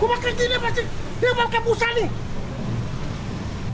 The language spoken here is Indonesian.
gue pake gini pasti dia pake busa nih